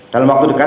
dalam waktu dekat